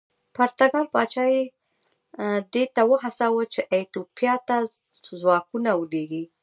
پرتګال پاچا یې دې ته وهڅاوه چې ایتوپیا ته ځواکونه ولېږي.